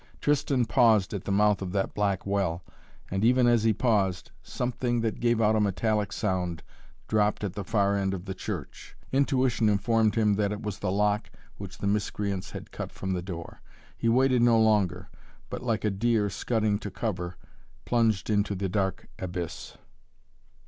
Tristan paused at the mouth of that black well, and even as he paused something that gave out a metallic sound, dropped at the far end of the church. Intuition informed him that it was the lock which the miscreants had cut from the door. He waited no longer, but like a deer scudding to cover, plunged into the dark abyss.